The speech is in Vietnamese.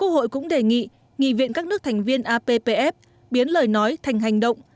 quốc hội cũng đề nghị nghị viện các nước thành viên appf biến lời nói thành hành động